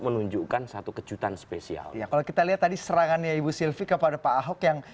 menunjukkan satu kejutan spesial ya kalau kita lihat tadi serangannya ibu silvi kepada pak ahok yang